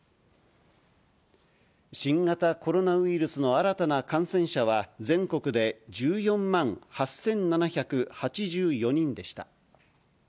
新型コロナウイルスの新たな感染者は、全国で１４万８７８４人でした。